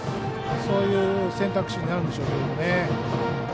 そういう選択肢になるんでしょうけど。